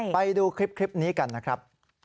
ไปดูคลิปนี้กันนะครับ